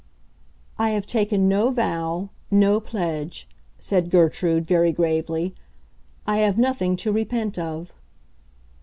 "I have taken no vow, no pledge," said Gertrude, very gravely; "I have nothing to repent of."